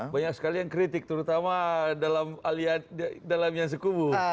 banyak sekali yang kritik terutama dalam alian dalam nyansi kubu